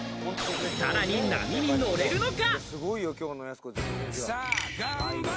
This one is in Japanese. さらに波に乗れるのか？